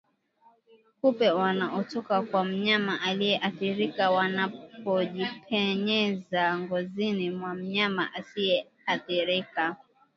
kupe wanaotoka kwa mnyama aliyeathirika wanapojipenyeza ngozini mwa mnyama asiyeathirika